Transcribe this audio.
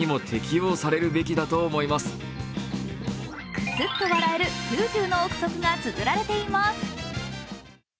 クスッと笑える９０の臆測がつづられています。